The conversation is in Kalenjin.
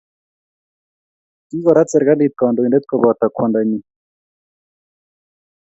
Kikorat serkalit kandoindet koboto kwondonyi